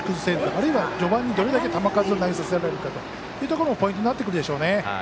あるいは、序盤にどれだけ球数を投げさせられるというところがポイントになってくるでしょうね。